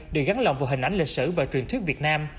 đều gắn lòng vào hình ảnh lịch sử và truyền thuyết việt nam